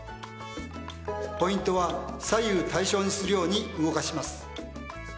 ポイントは左右対称にするように動かします。